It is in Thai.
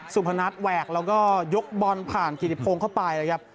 พนัทแหวกแล้วก็ยกบอลผ่านกิติพงศ์เข้าไปนะครับ